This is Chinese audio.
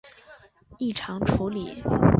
异常处理